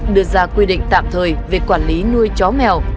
đưa ra quy định tạm thời về quản lý nuôi chó mèo